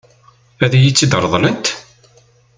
Ad iyi-tt-ṛeḍlent?